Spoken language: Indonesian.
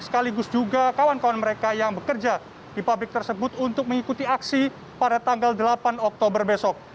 sekaligus juga kawan kawan mereka yang bekerja di pabrik tersebut untuk mengikuti aksi pada tanggal delapan oktober besok